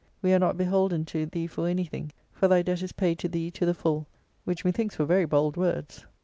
We are not beholden to, thee for anything, for thy debt is paid to thee to the full; which methinks were very bold words.